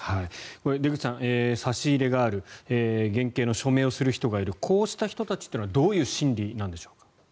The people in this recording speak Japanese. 出口さん、差し入れがある減刑の署名をする人がいるこうした人たちというのはどういう心理なのでしょうか。